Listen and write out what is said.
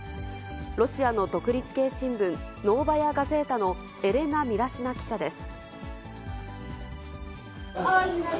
ロシアの独立系新聞、ノーバヤ・ガゼータのエレナ・ミラシナ記者です。